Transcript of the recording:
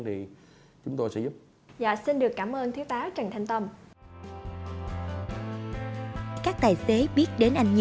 đúng rồi nhà mình